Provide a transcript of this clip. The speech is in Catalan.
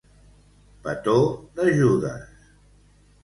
Petó de Judes.